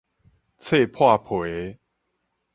摖破皮